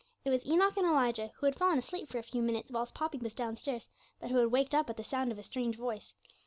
It was Enoch and Elijah, who had fallen asleep for a few minutes whilst Poppy was downstairs, but who had waked up at the sound of a strange voice.